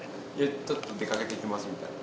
ちょっと出かけてきますみたいな。